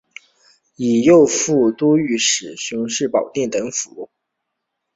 以右副都御史巡视保定等府。